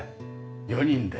４人で。